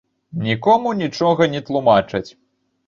Нікому нічога не тлумачаць.